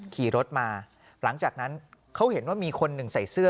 ขี่รถมาหลังจากนั้นเขาเห็นว่ามีคนหนึ่งใส่เสื้อ